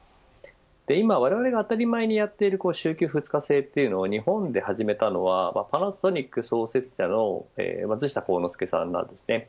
今、われわれが当たり前にやっている週休２日制というのは日本で始めたのはパナソニック創設者の松下幸之助さんなんです。